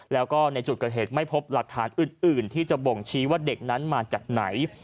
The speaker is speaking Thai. แล้วก็ในจุดเกิดเหตุไม่พบหลักฐานอื่นที่จะบ่งชี้ว่าเด็กนั้นมาจากไหน